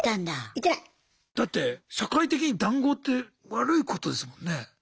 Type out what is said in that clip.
だって社会的に談合って悪いことですもんね。